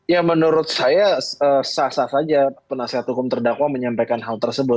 ya menurut saya sah sah saja penasihat hukum terdakwa menyampaikan hal tersebut